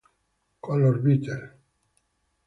With the Beatles".